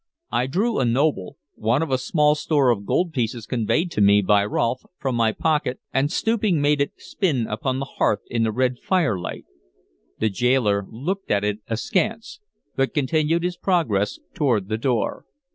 I drew a noble one of a small store of gold pieces conveyed to me by Rolfe from my pocket, and stooping made it spin upon the hearth in the red firelight. The gaoler looked at it askance, but continued his progress toward the door.